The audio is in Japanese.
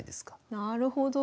なるほど。